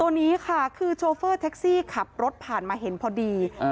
นี้ค่ะคือโชเฟอร์แท็กซี่ขับรถผ่านมาเห็นพอดี